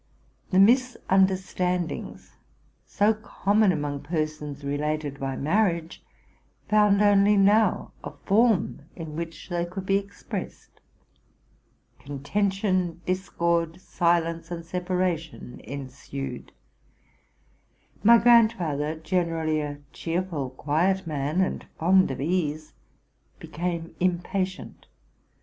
The misunderstandings so common among persons related by marriage, found only now a form in which they could be expressed. Contention, dis cord, silence, and separation ensued. My grandfather, gener ally a cheerful, quiet man, and fond of ease, became impa tient.